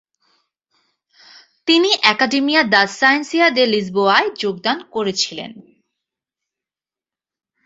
তিনি একাডিমিয়া দাস সাইন্সিয়া দে লিসবোয়ায় যোগদান করেছিলেন।